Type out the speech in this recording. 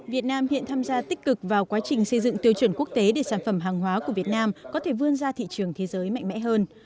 việt nam hiện tham gia tích cực vào quá trình xây dựng tiêu chuẩn quốc tế để sản phẩm hàng hóa của việt nam có thể vươn ra thị trường thế giới mạnh mẽ hơn